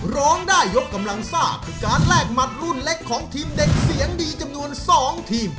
ร้องได้ยกกำลังซ่าคือการแลกหมัดรุ่นเล็กของทีมเด็กเสียงดีจำนวน๒ทีม